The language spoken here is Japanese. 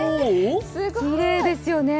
きれいですよね。